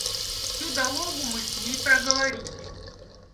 Всю дорогу мы с ней проговорили.